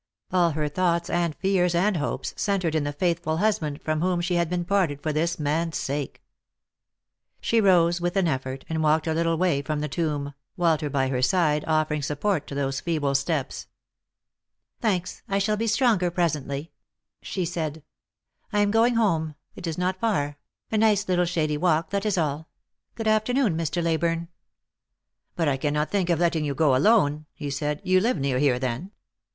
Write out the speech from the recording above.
All her thoughts and fears and hopes centred in the faithful husband from whom she had been parted for this man's sake. She rose, with an effort, and walked a little way from the tomb, Walter by her side, offering support to those feeble steps. " Thanks, I shall be stronger presently," she said ;" I am going home. It is not far ; a nice little shady walk, that is all. Good afternoon, Mr. Leyburne." Lost for Love. 325 " But I cannot think of letting you go alone," he said. " You live near here, then?